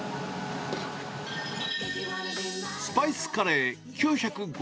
スパイスカレー９５０円。